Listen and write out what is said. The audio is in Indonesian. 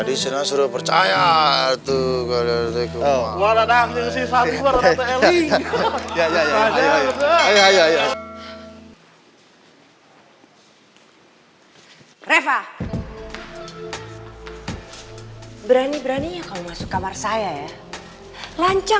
lancang kamu ya